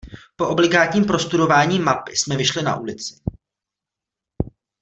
Po obligádním prostudování mapy jsme vyšli na ulici.